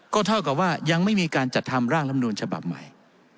ก็เท่ากับว่ายังไม่มีการจัดทำร่างลำนูลฉบับใหม่